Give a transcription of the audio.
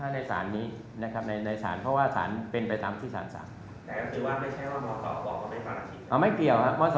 แล้วจริงท่านไม่ได้บอกครรภำกราชิตท่านไม่รับคำกราวหา